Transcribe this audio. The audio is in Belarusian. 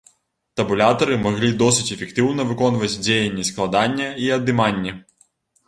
Табулятары маглі досыць эфектыўна выконваць дзеянні складання і адыманні.